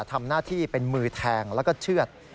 ทำหน้าที่เป็นมือแทงแล้วก็เชื่อด